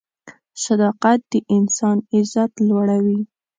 صداقت د انسان عزت لوړوي.